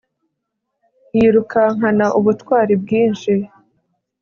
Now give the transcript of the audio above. yirukankana ubutwari bwinshi